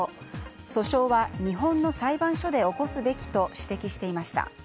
訴訟は日本の裁判所で起こすべきと指摘していました。